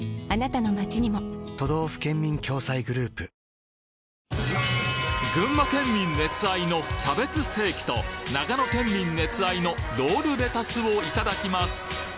このあと絶品群馬県民熱愛のキャベツステーキと長野県民熱愛のロールレタスをいただきます！